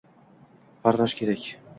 Farrosh kerak